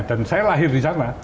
dan saya lahir di sana